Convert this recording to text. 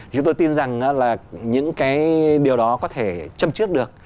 chúng tôi tin rằng là những cái điều đó có thể châm trước được